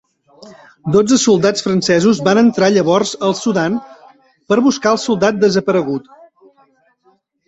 Dotze soldats francesos van entrar llavors al Sudan per buscar el soldat desaparegut.